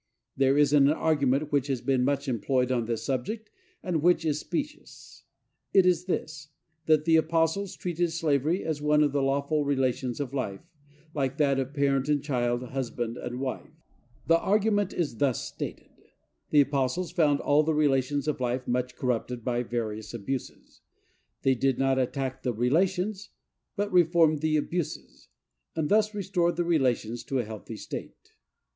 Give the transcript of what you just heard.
There is an argument which has been much employed on this subject, and which is specious. It is this. That the apostles treated slavery as one of the lawful relations of life, like that of parent and child, husband and wife. The argument is thus stated: The apostles found all the relations of life much corrupted by various abuses. They did not attack the relations, but reformed the abuses, and thus restored the relations to a healthy state.